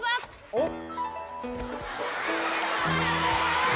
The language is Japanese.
おっ？